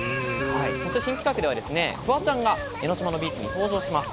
そして新企画ではですね、フワちゃんは江の島のビーチに登場します。